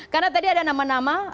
karena tadi ada nama nama